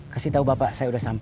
kasih tau bapak saya udah sampe